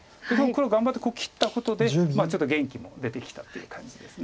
黒頑張ってここ切ったことでちょっと元気も出てきたっていう感じです。